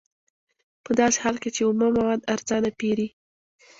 په داسې حال کې چې اومه مواد ارزانه پېري